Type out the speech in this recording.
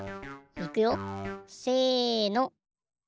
いくよせの。